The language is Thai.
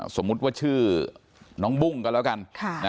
สมมุติว่าชื่อน้องบุ้งกันแล้วกัน